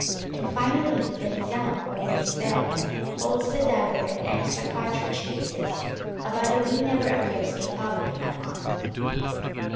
And finally, the Hizam, or waist belt, holds the dagger and extra cartridge cases. A Badawi never appears in public unarmed.